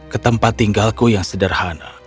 ketempat tinggalku yang sederhana